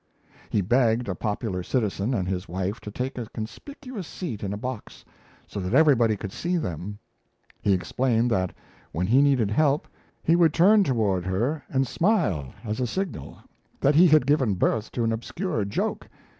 He begged a popular citizen and his wife to take a conspicuous seat in a box, so that everybody could see them. He explained that when he needed help, he would turn toward her and smile, as a signal, that he had given birth to an obscure joke.